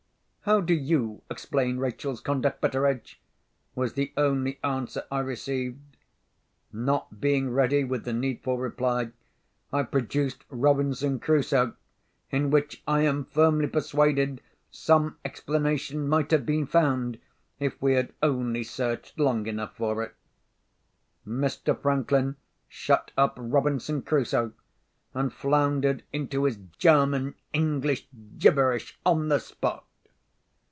"How do you explain Rachel's conduct, Betteredge?" was the only answer I received. Not being ready with the needful reply, I produced Robinson Crusoe, in which I am firmly persuaded some explanation might have been found, if we had only searched long enough for it. Mr. Franklin shut up Robinson Crusoe, and floundered into his German English gibberish on the spot.